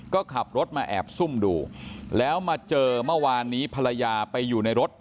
ก็ขับรถมาแอบซุ่มดูแล้วมาเจอเมื่อวานนี้ภรรยาไปอยู่ในรถ